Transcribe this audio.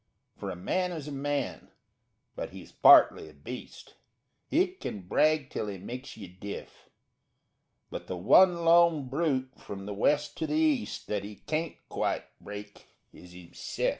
For a man is a man, but he's partly a beast. He kin brag till he makes you deaf, But the one lone brute, from the west to the east, _That he kaint quite break is himse'f.